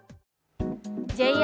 ＪＲ